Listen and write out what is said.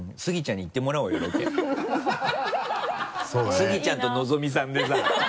スギちゃんとのぞみさんでさ。